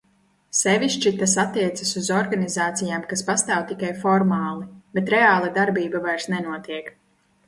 Sevišķi tas attiecas uz organizācijām, kas pastāv tikai formāli, bet reāli darbība vairs nenotiek.